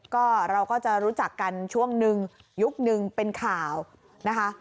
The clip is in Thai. ก็เราก็จะรู้จักกันช่วงนึงยุคนึงเป็นข่าวนะคะ